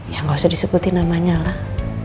ya nggak usah disebutin namanya lah